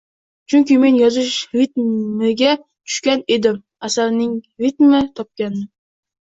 Chunki, men yozish ritmiga tushgan edim, asarning ritmini topgandim